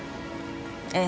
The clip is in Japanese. ええ。